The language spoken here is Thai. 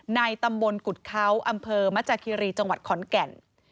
ในตำบลกุฎเขาอำเภอมจากคิรีจังหวัดขอนแก่น